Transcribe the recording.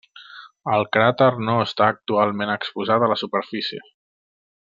El cràter no està actualment exposat a la superfície.